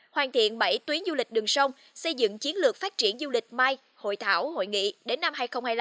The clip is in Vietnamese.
hoàn thiện bảy tuyến du lịch đường sông xây dựng chiến lược phát triển du lịch mai hội thảo hội nghị đến năm hai nghìn hai mươi năm